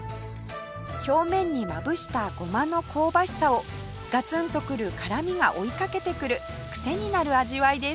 表面にまぶしたゴマの香ばしさをガツンとくる辛みが追いかけてくるクセになる味わいです